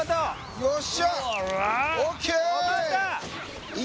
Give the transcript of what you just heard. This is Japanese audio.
よし！